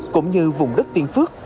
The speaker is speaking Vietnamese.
cũng như vùng đất tiên phước